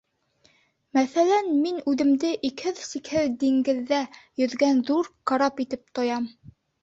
Мәҫәлән, мин үҙемде икһеҙ-сикһеҙ диңгеҙҙә йөҙгән ҙур карап итеп тоям.